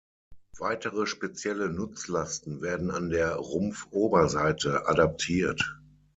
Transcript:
Weitere spezielle Nutzlasten werden an der Rumpfoberseite adaptiert.